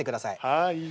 はい。